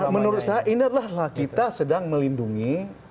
menurut saya ini adalah kita sedang melindungi